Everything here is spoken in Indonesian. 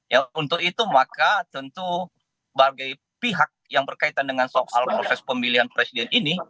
ya untuk itu maka tentu bagai pihak yang berkaitan dengan soal proses pemilihan presiden ini